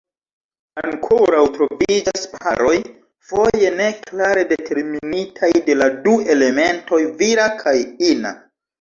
Ankoraŭ troviĝas paroj, foje ne klare determinitaj de la du elementoj vira kaj ina.